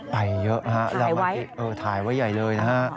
ไปเยอะถ่ายไว้ใหญ่เลยนะฮะ